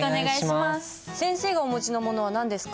先生がお持ちの物は何ですか？